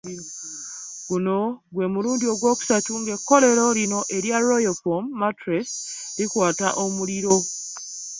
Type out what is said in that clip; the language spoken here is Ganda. Guno gwe mulundi ogwokusatu ng'ekkolero lino erya Royal Foam mattress likwata omuliro.